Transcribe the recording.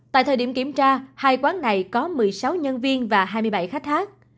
tại thời điểm kiểm tra hai quán này có một mươi sáu nhân viên và hai mươi bảy khách khác